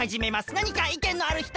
なにかいけんのあるひと？